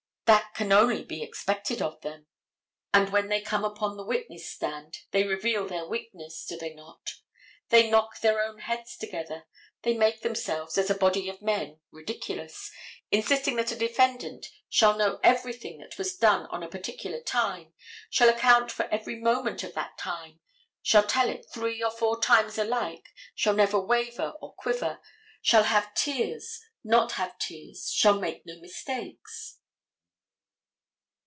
That can only be expected of them. And when they come upon the witness stand they reveal their weakness, do they not? They knock their own heads together. They make themselves, as a body of men, ridiculous, insisting that a defendant shall know everything that was done on a particular time, shall account for every moment of that time, shall tell it three or four times alike, shall never waver or quiver, shall have tears, or not have tears, shall make no mistakes.